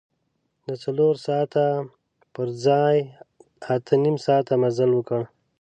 د څلور ساعته پر ځای اته نیم ساعته مزل وکړ.